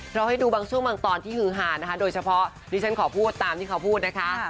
ให้ดูบางช่วงบางตอนที่ฮือหานะคะโดยเฉพาะดิฉันขอพูดตามที่เขาพูดนะคะ